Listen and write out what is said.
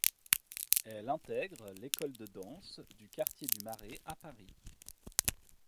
Elle intègre l'école de danse du quartier du Marais à Paris.